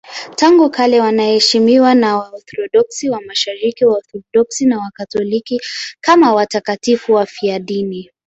Tangu kale wanaheshimiwa na Waorthodoksi wa Mashariki, Waorthodoksi na Wakatoliki kama watakatifu wafiadini.